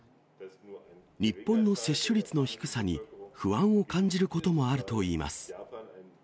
日本の接種率の低さに不安を感じることもあるといいます。